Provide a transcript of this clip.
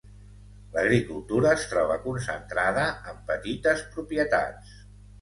L'agricultura es troba concentrada en petites propietats.